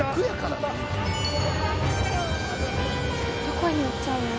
どこに行っちゃうの？